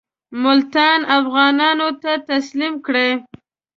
ملتان افغانانو ته تسلیم کړي.